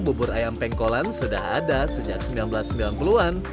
bubur ayam pengkolan sudah ada sejak seribu sembilan ratus sembilan puluh an